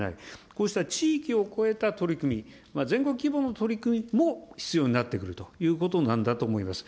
こうした地域を超えた取り組み、全国規模の取り組みも必要になってくるということなんだと思います。